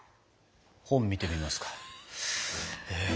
本見てみますか。